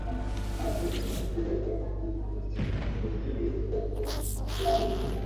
katika maeneo na wilaya tofauti bila haki ya